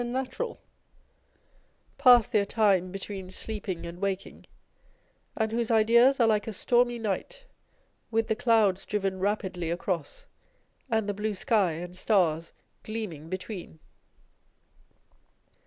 natural, pass their time between sleeping and waking, and whose ideas are like a stormy night, with the clouds driven rapidly across, and the blue sky and stars gleaming between